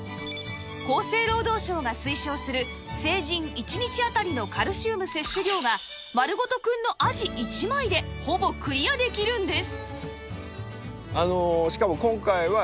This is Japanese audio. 厚生労働省が推奨する成人１日あたりのカルシウム摂取量がまるごとくんのあじ１枚でほぼクリアできるんです